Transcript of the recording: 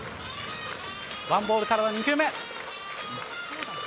ワンボールからの２球目。